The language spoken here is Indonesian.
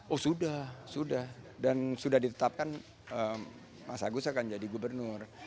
oh sudah sudah dan sudah ditetapkan mas agus akan jadi gubernur